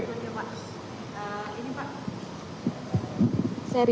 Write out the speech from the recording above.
terima kasih pak